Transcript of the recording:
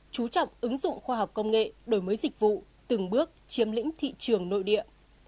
chú trọng ứng dụng khoa học công nghệ đổi mới dịch vụ từng bước chiếm lĩnh thị trường nội địa